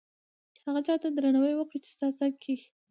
هغه چاته درناوی وکړه چې ستا څنګ کې دي.